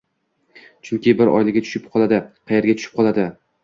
Chunki «bir oyligi tushib qoladi» Qayerga tushib qoladi?